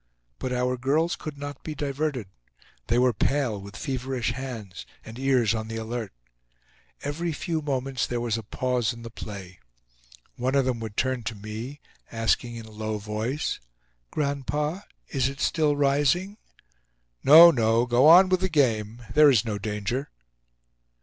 But our girls could not be diverted; they were pale, with feverish hands, and ears on the alert. Every few moments there was a pause in the play. One of them would turn to me, asking in a low voice: "Grandpa, is it still rising?" "No, no. Go on with the game. There is no danger."